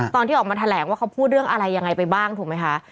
ตอนที่ออกมาแถลงว่าเขาพูดเรื่องอะไรยังไงไปบ้างถูกไหมคะ